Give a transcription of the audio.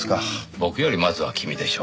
僕よりまずは君でしょう。